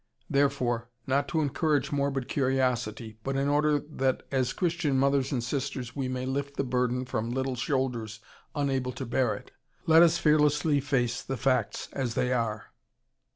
Therefore, not to encourage morbid curiosity, but in order that as Christian mothers and sisters we may lift the burden from little shoulders unable to bear it, let us fearlessly face the facts as they are.